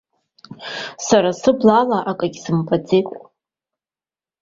Сара сыблала акгьы сымбаӡеит.